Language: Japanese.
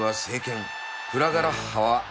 フラガラッハは魔剣